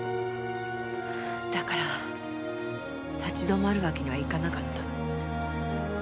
だから立ち止まるわけにはいかなかった。